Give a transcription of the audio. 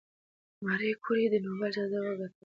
ماري کوري د نوبل جایزه وګټله.